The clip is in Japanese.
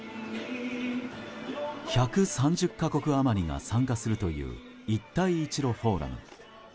１３０か国余りが参加するという一帯一路フォーラム。